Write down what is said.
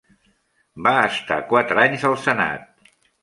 Va estar quatre anys al senat.